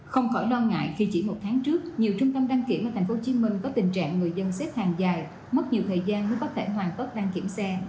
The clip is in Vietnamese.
không khỏi lo ngại khi chỉ một tháng trước nhiều trung tâm đăng kiểm ở tp hcm có tình trạng người dân xếp hàng dài mất nhiều thời gian mới có thể hoàn tất đăng kiểm xe